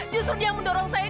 justru yang mendorong saya